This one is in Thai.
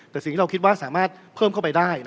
แต่สิ่งที่เราคิดว่าสามารถเพิ่มเข้าไปได้